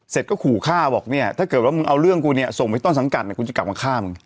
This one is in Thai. เสร็จก็ขู่ฆ่าบอกเนี่ยถ้าเกิดว่ามึงเอาเรื่องกูเนี่ยส่งไปต้นสังกัดเนี่ยกูจะกลับมาฆ่ามึง